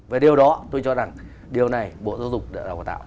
và điều đó tôi cho rằng điều này bộ giáo dục đạo tạo